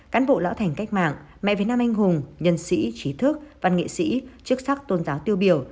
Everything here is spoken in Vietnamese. cán bộ lão thành cách mạng mẹ việt nam anh hùng nhân sĩ trí thức văn nghệ sĩ chức sắc tôn giáo tiêu biểu